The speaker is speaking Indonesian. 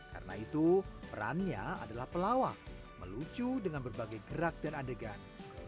karena itu perannya adalah pelawak melucu dengan berbagai gerak dan adegan